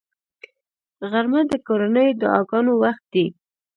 غرمه د کورنیو دعاګانو وخت دی